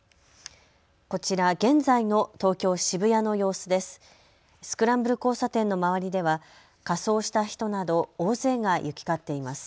こちら現在の東京渋谷の様子です。